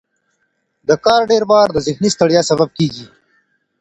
د کار ډیر بار د ذهني ستړیا سبب کېږي.